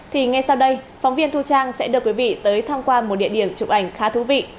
thì ngay sau đây phóng viên thu trang sẽ đưa quý vị tới thăm qua một địa điểm chụp ảnh khá thú vị